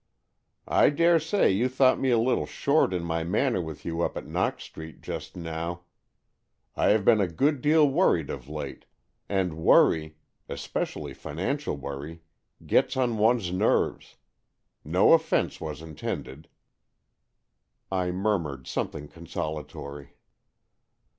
" I dare say you thought me a little short in my manner with you up at Knox Street just now. I have been a good deal worried of late, and worry — especially financial worry — gets on one's nerves. No offence was intended." I murmured something consolatory.